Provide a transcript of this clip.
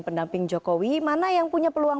pendamping jokowi mana yang punya peluang